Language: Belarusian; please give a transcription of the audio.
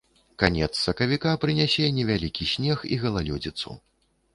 Канец сакавіка прынясе невялікі снег і галалёдзіцу.